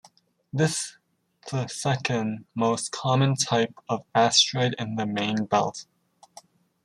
This the second most common type of asteroid in the main belt.